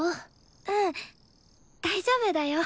うん大丈夫だよ。